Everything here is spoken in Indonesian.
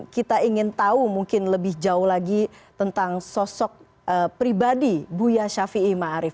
kita ingin tahu mungkin lebih jauh lagi tentang sosok pribadi buya shafi'i marif